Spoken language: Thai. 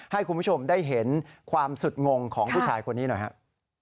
ให้คุณผู้ชมได้เห็นความสุดงงของผู้ชายคนนี้หน่อยครับ